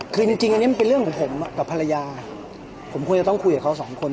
เคยต้องคุยกันกับเขาสองคน